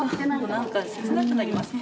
なんか切なくなりません？